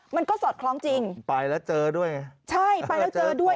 มันก็สอดคล้องจริงไปแล้วเจอด้วยไงใช่ไปแล้วเจอด้วย